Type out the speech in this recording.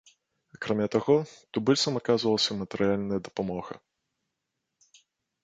Акрамя таго, тубыльцам аказвалася матэрыяльная дапамога.